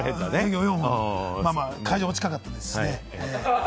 会場も近かったですしね。